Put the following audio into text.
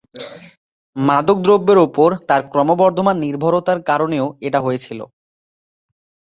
মাদকদ্রব্যের ওপর তার ক্রমবর্ধমান নির্ভরতার কারণেও এটা হয়েছিল।